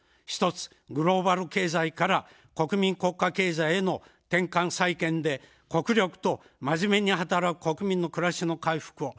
１つ、グローバル経済から国民国家経済への転換再建で国力とまじめに働く国民のくらしの回復を。